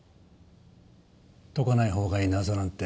解かないほうがいい謎なんて